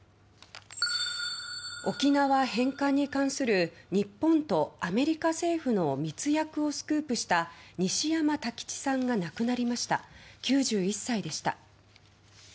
沖縄返還に関する日本とアメリカ政府の密約をスクープした西山太吉さんが亡くなりました９１歳でした。